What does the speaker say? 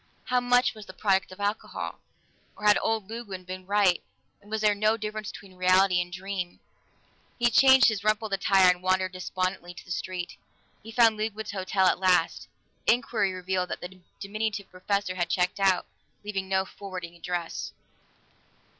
How much was the product of alcohol? Or had old Ludwig been right, and was there no difference between reality and dream? He changed his rumpled attire and wandered despondently to the street. He found Ludwig's hotel at last; inquiry revealed that the diminutive professor had checked out, leaving no forwarding address.